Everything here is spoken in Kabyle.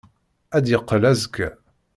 Ad d-yeqqel azekka.